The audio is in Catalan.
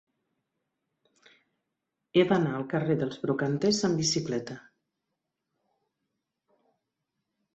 He d'anar al carrer dels Brocaters amb bicicleta.